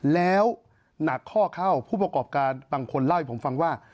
แล้วหนักข้อเข้าผู้ประกอบการบางคนเล่าให้ผมฟังว่า